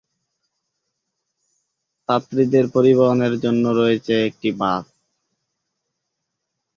ছাত্রীদের পরিবহনের জন্য রয়েছে একটি বাস।